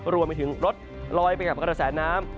รวมไปถึงรถลอยไปกับกระแสน้ำ